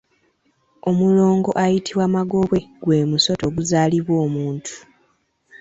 Omulongo ayitibwa Magobwe gw’emusota oguzaalibwa omuntu.